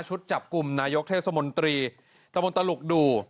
จับกลุ่มนายกเทศมนตรีตะมนตลุกดู